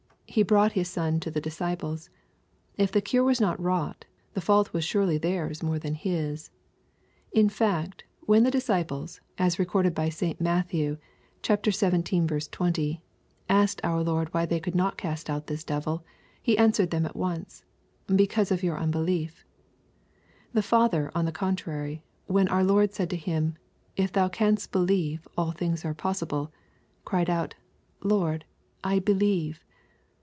He brought his son to the disciples. If the cure was not wrought, the fault was surely theirs more than his. In fact^ when the disciples, as recorded by St Matthew, xril 20, asked our Lord why they could not cast out this devil, He answered them at once, "Because of your unbelief.*' The father on the contrary, when our Lord said to him, " If thou canst believe, aU tilings are possible," cried out^ *' Lord, I believe."